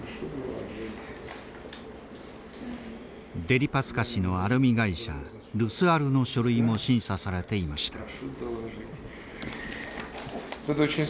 デリパスカ氏のアルミ会社ルスアルの書類も審査されていました。